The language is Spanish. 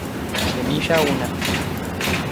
Semilla una.